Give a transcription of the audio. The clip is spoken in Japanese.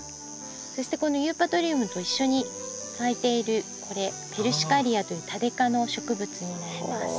そしてこのユーパトリウムと一緒に咲いているこれペルシカリアというタデ科の植物になります。